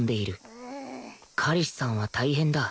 彼氏さんは大変だ